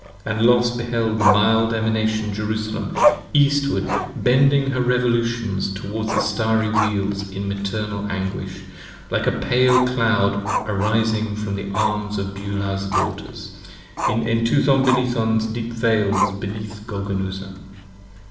And Los beheld the mild Emanation Jerusalem eastward bending Her revolutions toward the Starry Wheels in maternal anguish, Like a pale cloud arising from the arms of Beulah's Daughters: 34 In Entuthon Benython's deep Vales beneath Golgonooza.